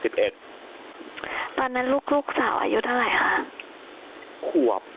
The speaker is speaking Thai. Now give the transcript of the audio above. ตอนนั้นลูกสาวอายุเท่าไหร่คะขวบ